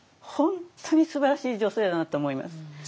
本当にすばらしい女性だなと思います。